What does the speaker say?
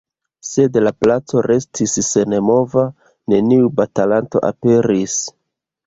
Sed la placo restis senmova, neniu batalanto aperis.